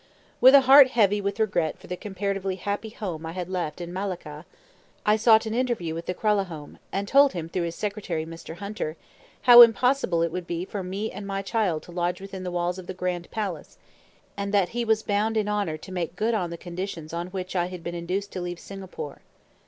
With a heart heavy with regret for the comparatively happy home I had left in Malacca, I sought an interview with the Kralahome, and told him (through his secretary, Mr. Hunter) how impossible it would be for me and my child to lodge within the walls of the Grand Palace; and that he was bound in honor to make good the conditions on which I had been induced to leave Singapore.